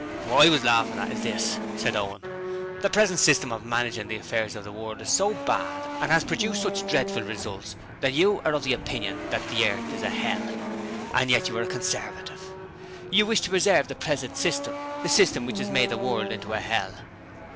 'What I was laughing at is this,' said Owen. 'The present system of managing the affairs of the world is so bad and has produced such dreadful results that you are of the opinion that the earth is a hell: and yet you are a Conservative! You wish to preserve the present system the system which has made the world into a hell!'